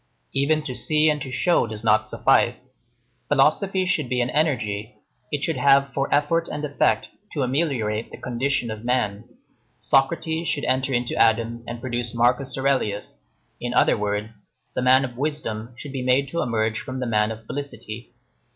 Even to see and to show does not suffice. Philosophy should be an energy; it should have for effort and effect to ameliorate the condition of man. Socrates should enter into Adam and produce Marcus Aurelius; in other words, the man of wisdom should be made to emerge from the man of felicity.